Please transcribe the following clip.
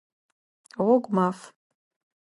Гъогумаф!